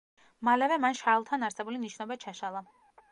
მალევე, მან შარლთან არსებული ნიშნობა ჩაშალა.